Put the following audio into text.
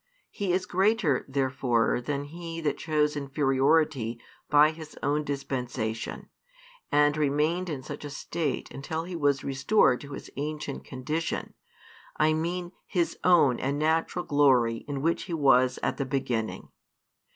He is greater therefore than He that chose inferiority by His own dispensation, and remained in such a state until He was restored to His ancient condition, I mean His own and natural glory in which He was at the beginning.